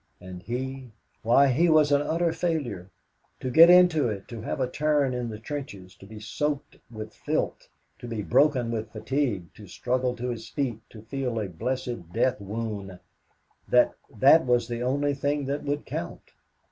And he? Why, he was an utter failure. To get into it, to have a turn in the trenches, to be soaked with filth, to be broken with fatigue, to struggle to his feet, to feel a blessed death wound that, that was the only thing that would count.